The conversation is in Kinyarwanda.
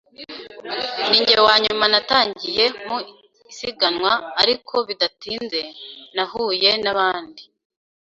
Ninjye wanyuma natangiye mu isiganwa, ariko bidatinze nahuye nabandi.